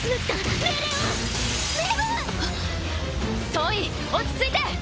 総員落ち着いて！